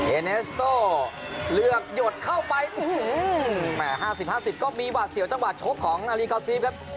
เอเนสโตเลือกหยดเข้าไปอื้อหือหือแหม่ห้าสิบห้าสิบก็มีหวาดเสี่ยวจากหวาดโชคของอารีกอลซีฟครับ